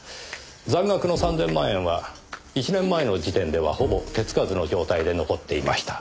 残額の３０００万円は１年前の時点ではほぼ手付かずの状態で残っていました。